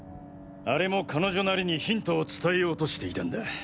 あれも彼女なりにヒントを伝えようとしていたんだ。